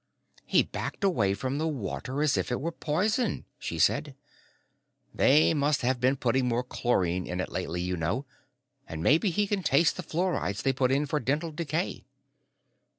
"He backed away from the water as if it were poison," she said. "They have been putting more chlorine in it lately, you know, and maybe he can taste the fluorides they put in for dental decay."